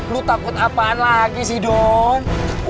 lu takut apaan lagi sih dong